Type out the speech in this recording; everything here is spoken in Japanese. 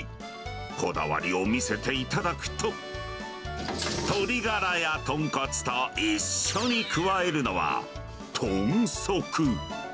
こだわりを見せていただくと、鶏ガラや豚骨と一緒に加えるのは、豚足。